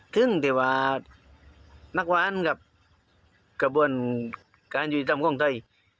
ถึงแต่ว่านักวานกับกระบวนการยุทธิตำกองเทย์